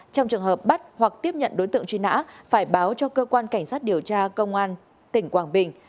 trong trường hợp bắt hoặc tiếp nhận đối tượng truy nã phải báo cho cơ quan cảnh sát điều tra công an tỉnh quảng bình